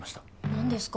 何ですか？